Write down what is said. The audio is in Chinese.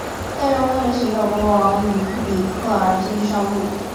但仍为了寻找国王与里克而继续上路。